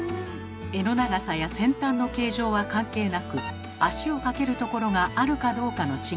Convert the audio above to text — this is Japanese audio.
柄の長さや先端の形状は関係なく足をかけるところがあるかどうかの違いです。